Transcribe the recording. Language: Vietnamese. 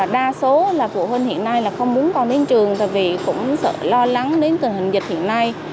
đa số là phụ huynh hiện nay là không muốn con đến trường tại vì cũng sợ lo lắng đến tình hình dịch hiện nay